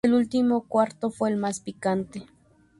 El último cuarto fue el más "picante".